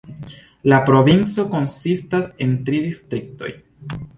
La provinco konsistas el tri distriktoj.